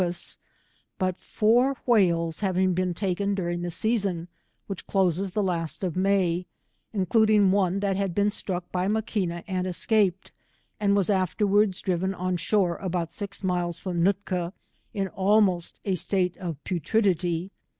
N 3 142 pose; bat four whales havinfr been taken during the season, which closes the last of May, including one that had been struck by Maquina and escaped, and was afterwards driven on shore about six miles from Nootka, in almost a state of putridity.